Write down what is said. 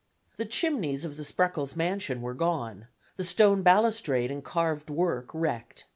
The chimneys of the Spreckels mansion were gone, the stone balustrade and carved work wrecked.